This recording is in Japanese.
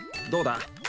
どうだ？